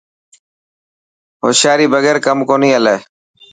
هوشيري بگير ڪم ڪونهي هلي.